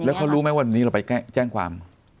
แล้วเขารู้ไหมว่าวันนี้เราไปแจ้งความ